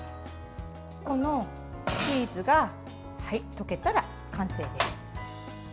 このチーズが溶けたら完成です。